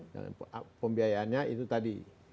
dan pembiayanya itu tadi